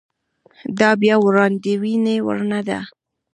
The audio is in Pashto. دا بیا د وړاندوېنې وړ نه ده.